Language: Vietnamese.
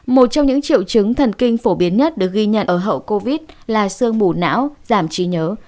một trong những triệu chứng thần kinh phổ biến nhất được ghi nhận ở hậu covid là sương mù não giảm trí nhớ